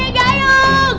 ini ada gayung